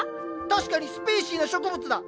確かにスペイシーな植物だ。